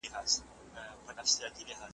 چي سړی یې په هیڅ توګه په تعبیر نه پوهیږي `